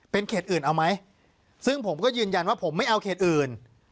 เป็นเขตอื่นเอาไหมซึ่งผมก็ยืนยันว่าผมไม่เอาเขตอื่น